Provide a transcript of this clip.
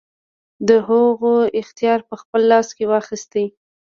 د هغو اختیار په خپل لاس کې واخیست.